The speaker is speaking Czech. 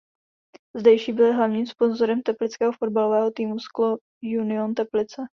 Zdejší byly hlavním sponzorem teplického fotbalového týmu Sklo Union Teplice.